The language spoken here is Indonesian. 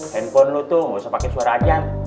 handphone lo tuh gak usah pake suara ajan